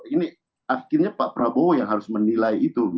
ini akhirnya pak prabowo yang harus menilai itu